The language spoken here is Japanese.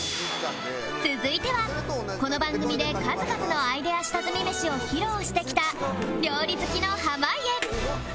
続いてはこの番組で数々のアイデア下積みメシを披露してきた料理好きの濱家